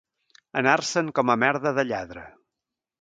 Anar-se'n com a merda de lladre.